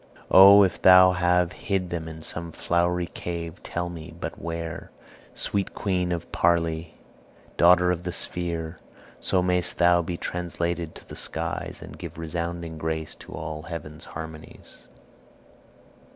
O, if thou have Hid them in some flowery cave, Tell me but where, Sweet queen of parly, daughter of the sphere, So may'st thou be translated to the skies, And give resounding grace to all heaven's harmonies."